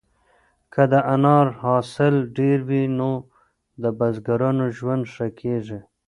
که د انار حاصل ډېر وي نو د بزګرانو ژوند ښه کیږي.